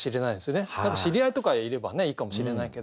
知り合いとかいればねいいかもしれないけど。